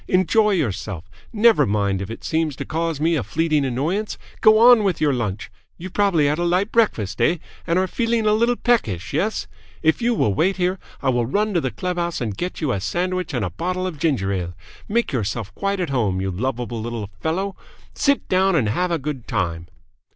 Enjoy yourself! Never mind if it seems to cause me a fleeting annoyance. Go on with your lunch! You probably had a light breakfast, eh, and are feeling a little peckish, yes? If you will wait here, I will run to the clubhouse and get you a sandwich and a bottle of ginger ale. Make yourself quite at home, you lovable little fellow! Sit down and have a good time!"